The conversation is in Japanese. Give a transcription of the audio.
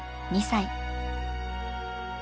２歳。